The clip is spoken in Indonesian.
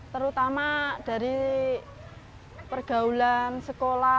terutama dari pergaulan sekolah